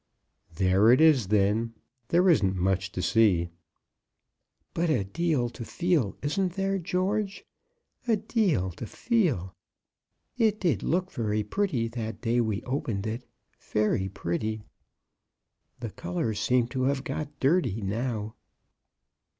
"There it is, then. There isn't much to see." "But a deal to feel; isn't there, George? a deal to feel! It did look very pretty that day we opened it, very pretty. The colours seem to have got dirty now."